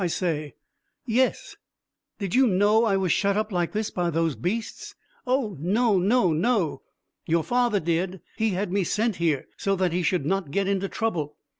I say." "Yes." "Did you know I was shut up like this by those beasts?" "Oh, no, no, no!" "Your father did. He had me sent here, so that he should not get into trouble."